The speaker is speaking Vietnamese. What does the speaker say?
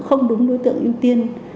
không đúng đối tượng ưu tiên